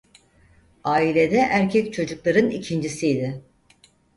Ailede erkek çocukların ikincisiydi.